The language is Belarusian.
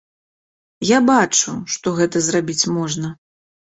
Я бачу, што гэта зрабіць можна.